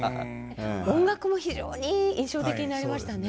音楽も非常に印象的になりましたね。